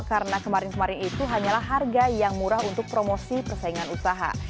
karena kemarin kemarin itu hanyalah harga yang murah untuk promosi persaingan usaha